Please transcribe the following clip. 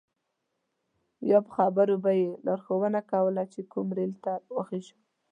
یا په خبرو به یې لارښوونه کوله چې کوم ریل ته وخیژو.